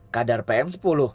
satu kadar pm sepuluh